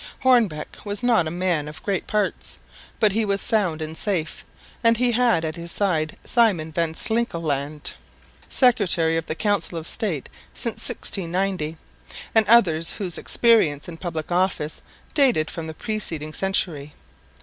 Hoornbeck was not a man of great parts, but he was sound and safe and he had at his side Simon van Slingelandt, secretary of the Council of State since 1690, and others whose experience in public office dated from the preceding century.